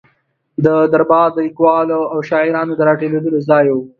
د ده دربار د لیکوالو او شاعرانو د را ټولېدو ځای و.